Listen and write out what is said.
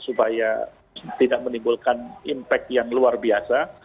supaya tidak menimbulkan impact yang luar biasa